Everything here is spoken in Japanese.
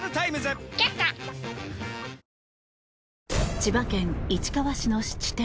千葉県市川市の質店。